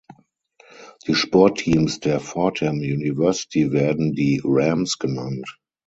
Die Sportteams der Fordham University werden die "Rams" genannt.